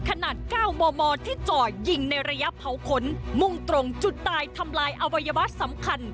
ขนาด๙มมที่จ่อยิงในระยะเผาขนมุ่งตรงจุดตายทำลายอวัยวะสำคัญ